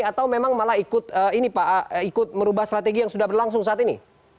atau memang malah ikut merubah strategi yang sudah berlangsung saat ini